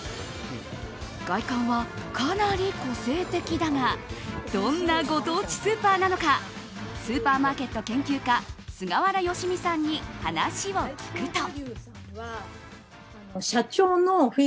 外観はかなり個性的だがどんなご当地スーパーなのかスーパーマーケット研究家菅原住己さんに話を聞くと。